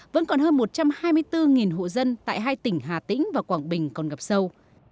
vẫn còn hơn một trăm hai mươi bốn hộ dân tại hai tỉnh hà tĩnh và quảng bình còn gặp sâu